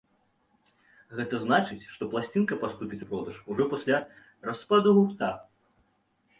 Гэта значыць, што пласцінка паступіць у продаж ужо пасля распаду гурта.